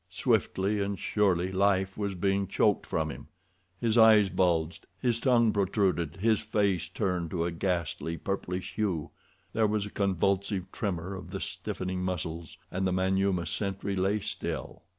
Swiftly and surely life was being choked from him. His eyes bulged, his tongue protruded, his face turned to a ghastly purplish hue—there was a convulsive tremor of the stiffening muscles, and the Manyuema sentry lay quite still.